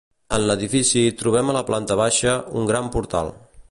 En l'edifici trobem a la planta baixa un gran portal.